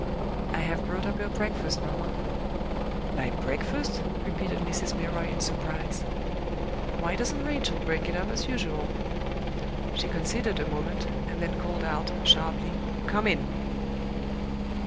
"I have brought up your breakfast, mamma." "My breakfast?" repeated Mrs. Milroy, in surprise. "Why doesn't Rachel bring it up as usual?" She considered a moment, and then called out, sharply, "Come in!"